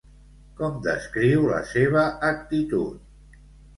Com descriu la seva actitud?